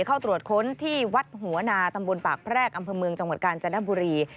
เข้าตรวจค้นที่วัดหัวนาตำบลปากแพรกอำเภอเมืองจังหวัดกาญจนบุรี